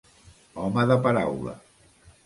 Home de paraula.